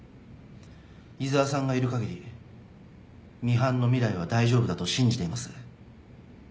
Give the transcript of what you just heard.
井沢さんがいるかぎりミハンの未来は大丈夫だと信じています。